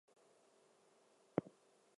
It received a positive reception from critics.